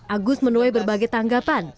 agus menuai berbagai tanggapan